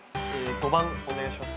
５番お願いします。